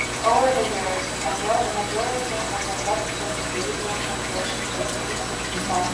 Over the years, Majorette has adapted to increasing competition, with mixed results.